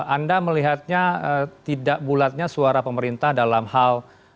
anda melihatnya tidak bulatnya suara pemerintah dalam hal